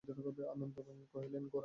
আনন্দময়ী কহিলেন, গোরাকে বলেছিস?